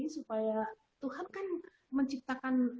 supaya tuhan kan menciptakan